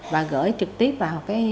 và gửi trực tiếp vào cái